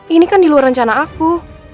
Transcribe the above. ini kan di luar rencana aku